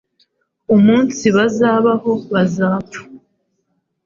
umunsi bazabaho badapfa